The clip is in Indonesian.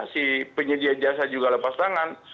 si penyedia jasa juga lepas tangan